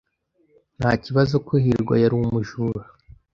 Ntakibazo ko hirwa yari umujura.